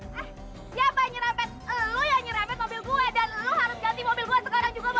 lo yang nyerepet mobil gue dan lo harus ganti mobil gue sekarang juga bawa ke bengkel